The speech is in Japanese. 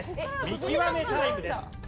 見極めタイムです。